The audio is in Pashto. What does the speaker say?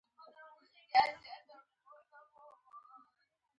متلونه د کولتور یوه برخه ده